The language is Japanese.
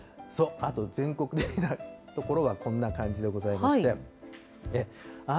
あと全国的なところはこんな感じでございまして。